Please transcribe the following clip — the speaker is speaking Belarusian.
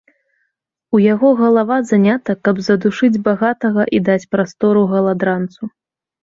У яго галава занята, каб задушыць багатага і даць прастору галадранцу.